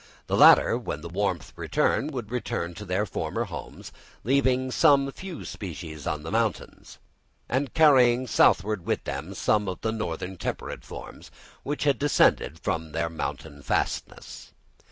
These latter, when the warmth returned, would return to their former homes, leaving some few species on the mountains, and carrying southward with them some of the northern temperate forms which had descended from their mountain fastnesses.